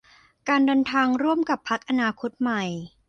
การเดินทางร่วมกับพรรคอนาคตใหม่